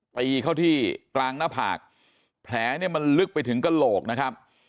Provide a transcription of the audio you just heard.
ตีเข้าที่กลางหน้าผากแผลเนี่ยมันลึกไปถึงกระโหลกนะครับ